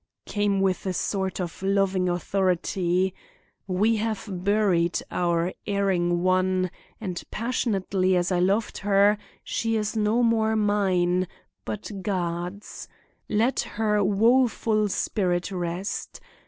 came with a sort of loving authority, 'we have buried our erring one and passionately as I loved her, she is no more mine, but God's. Let her woeful spirit rest.